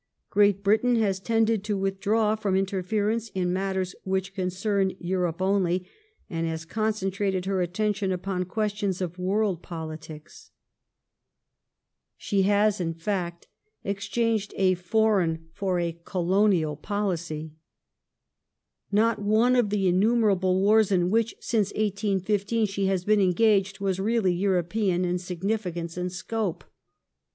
Great Britain has tended to withdraw from interference in mattei s which concern Europe only, and has concentrated her attention upon questions of world politics. She has in fact 1901] COLONIAL EXPANSION 11 exchanged a foreign for a colonial policy. Not one of the innumerable wars in which, since 1815, she has been engaged was really European in significance and scope.